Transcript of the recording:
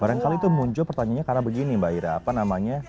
barangkali itu muncul pertanyaannya karena begini mbak ira